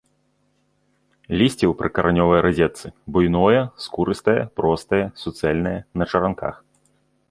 Лісце ў прыкаранёвай разетцы, буйное, скурыстае, простае, суцэльнае, на чаранках.